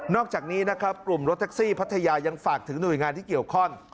อกจากนี้นะครับกลุ่มรถแท็กซี่พัทยายังฝากถึงหน่วยงานที่เกี่ยวข้อง